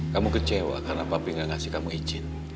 kamu kecewa karena pabrik gak ngasih kamu izin